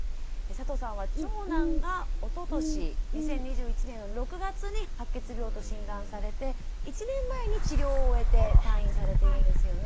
佐藤さんは長男がおととし２０２１年の６月に白血病と診断されて１年前に治療を終えて退院されているんですよね？